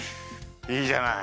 いいじゃない。